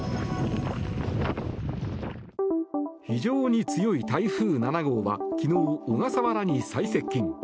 非常に強い台風７号は昨日小笠原に最接近。